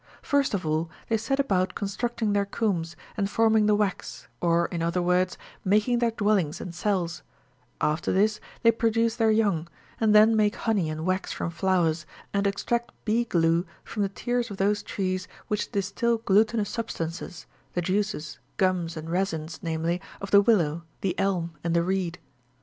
First of all, they set about constructing their combs, and forming the wax, or, in other words, making their dwellings and cells ; after this they produce their young, and then make honey and wax from flowers, and extract bee glue12 from the tears of those trees which distil glutinous substances, the juices, gums, and resins, namely, of the willow, the elm, and the reed.